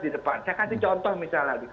di depan saya kasih contoh misalnya